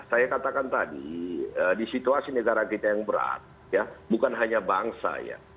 saya katakan tadi di situasi negara kita yang berat bukan hanya bangsa ya